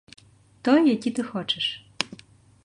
Той, які ты хочаш.